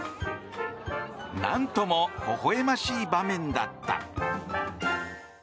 何ともほほ笑ましい場面だった。